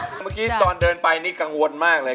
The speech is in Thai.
เมื่อกี้ตอนเดินไปนี่กังวลมากเลย